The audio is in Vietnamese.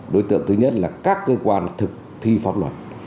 đối tượng thứ nhất là các cơ quan thực thi pháp luật